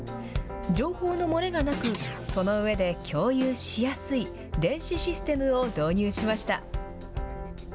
情報の漏れがなく、そのうえで共有しやすい電子システムを導入しました。